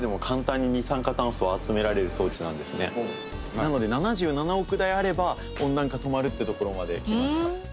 なので７７億台あれば温暖化止まるってところまできました。